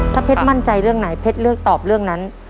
ถ้าเพชรมั่นใจเรื่องไหนเพชรเลือกตอบเรื่องนั้น